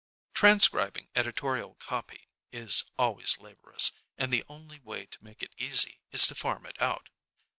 Transcribing editorial copy is always laborious, and the only way to make it easy is to farm it out.